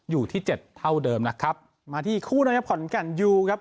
อยู่ที่เจ็ดเท่าเดิมนะครับมาที่อีกคู่นะครับขอนแก่นยูครับ